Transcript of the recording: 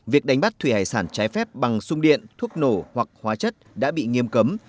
việc đánh bắt thủy hải sản trái phép bằng sung điện thuốc nổ hoặc hóa chất đã bị nghiêm cấm